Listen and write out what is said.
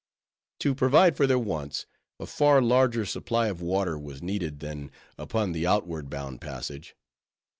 To provide for their wants, a far larger supply of water was needed than upon the outward bound passage.